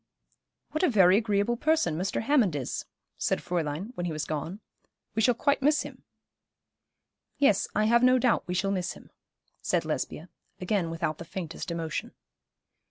'What a very agreeable person Mr. Hammond is,' said Fräulein, when he was gone. 'We shall quite miss him.' 'Yes, I have no doubt we shall miss him,' said Lesbia, again without the faintest emotion.